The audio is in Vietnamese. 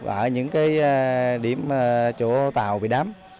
ở những cái điểm chỗ tàu bị đám